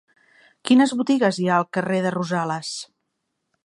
Quines botigues hi ha al carrer de Rosales?